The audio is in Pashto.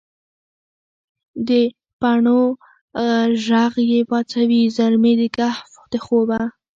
دپڼو ږغ یې پاڅوي زلمي د کهف دخوبه